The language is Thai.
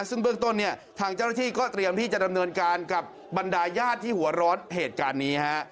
ซึ่งเบื้องต้นเนี่ยทางเจ้าหน้าที่ก็เตรียมที่จะดำเนินการกับบรรดาญาติที่หัวร้อนเหตุการณ์นี้ฮะ